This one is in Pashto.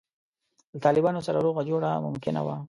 له طالبانو سره روغه جوړه ممکنه وي.